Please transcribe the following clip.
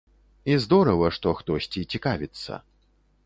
І здорава, што хтосьці цікавіцца.